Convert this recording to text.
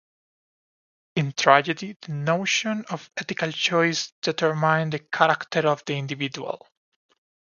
In tragedy, the notion of ethical choice determined the character of the individual.